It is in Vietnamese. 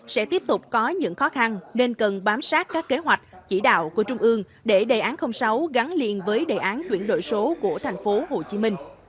sẽ tiếp tục có những khó khăn nên cần bám sát các kế hoạch chỉ đạo của trung ương để đề án sáu gắn liền với đề án chuyển đổi số của tp hcm